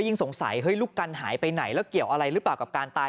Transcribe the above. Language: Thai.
ยิ่งสงสัยเฮ้ยลูกกันหายไปไหนแล้วเกี่ยวอะไรหรือเปล่ากับการตาย